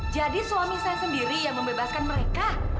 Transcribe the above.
jadi suami saya sendiri yang membebaskan mereka